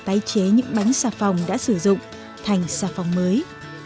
tái chế những bánh xà phòng đã sử dụng thành xà phòng mới